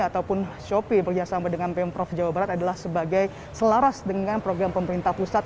ataupun sopi bekerjasama dengan pm prof jawa barat adalah sebagai selaras dengan program pemerintah pusat